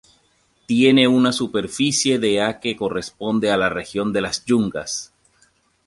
Tiene una superficie de ha que corresponde a la región de las yungas.